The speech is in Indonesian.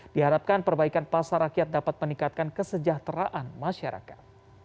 diharapkan perbaikan pasar rakyat dapat meningkatkan kesejahteraan masyarakat